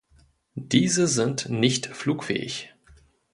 Diese sind nicht flugfähig.